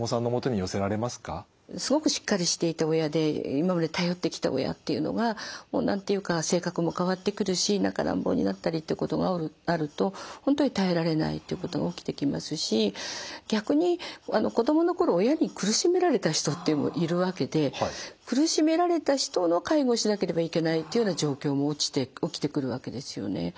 すごくしっかりしていた親で今まで頼ってきた親っていうのがもう何て言うか性格も変わってくるし何か乱暴になったりっていうことがあると本当に耐えられないっていうことが起きてきますし逆に子供の頃親に苦しめられた人っていうのもいるわけで苦しめられた人の介護をしなければいけないっていうような状況も起きてくるわけですよね。